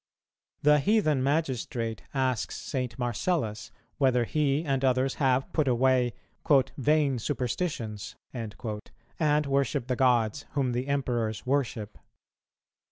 The heathen magistrate asks St. Marcellus, whether he and others have put away "vain superstitions," and worship the gods whom the emperors worship.